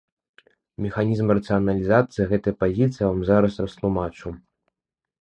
Механізм рацыяналізацыі гэтай пазіцыі я вам зараз растлумачу.